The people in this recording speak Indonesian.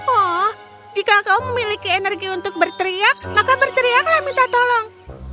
oh jika kau memiliki energi untuk berteriak maka berteriaklah minta tolong